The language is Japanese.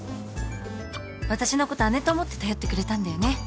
私のこと姉と思って頼ってくれたんだよね